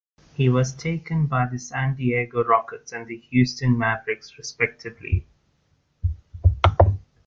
He was taken by the San Diego Rockets and the Houston Mavericks, respectively.